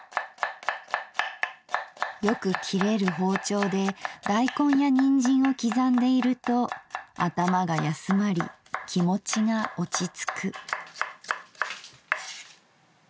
「よく切れる包丁で大根やにんじんを刻んでいると頭がやすまり気持ちが落ち着く」。